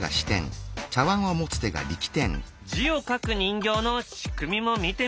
字を書く人形の仕組みも見てみる。